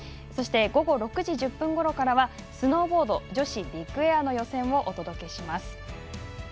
そして午後６時１０分ごろからはスノーボード女子ビッグエアの予選をお届けします。